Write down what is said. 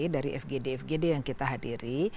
dari fgd fgd yang kita hadiri